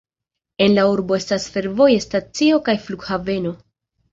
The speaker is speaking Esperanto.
En la urbo estas fervoja stacio kaj flughaveno.